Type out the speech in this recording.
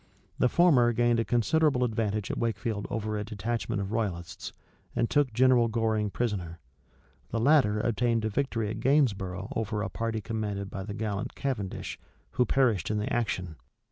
The former gained a considerable advantage at Wakefield over a detachment of royalists, and took General Goring prisoner: the latter obtained a victory at Gainsborough over a party commanded by the gallant Cavendish, who perished in the action.